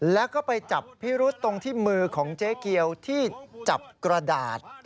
แล้วก็ไปจับพิรุษตรงที่มือของเจ๊เกียวที่จับกระดาษ